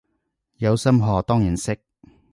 有心學當然識